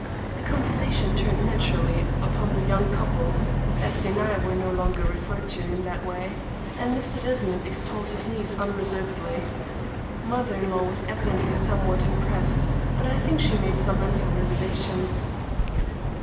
The conversation turned naturally upon the "young couple" (Bessie and I were no longer referred to in that way), and Mr. Desmond extolled his niece unreservedly. Mother in law was evidently somewhat impressed, but I think she made some mental reservations.